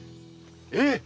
えっ！